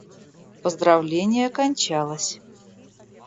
Поздравление кончалось.